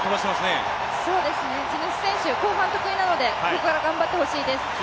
地主選手、後半得意なので、ここから頑張ってほしいです。